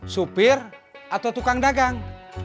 supir atau tukang dagang